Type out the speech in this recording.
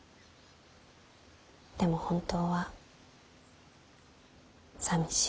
でも本当はさみしい。